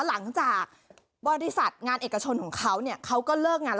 หลังจากบริษัทงานเอกชนของเขาเนี่ยเขาก็เลิกงานแล้ว